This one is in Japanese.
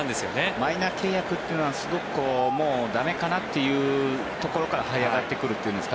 マイナー契約というのはすごく駄目かなというところからはい上がってくるというか。